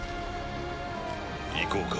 行こうか。